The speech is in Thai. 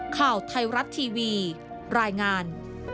ข่าวไทยรัฐทีวีรายงาน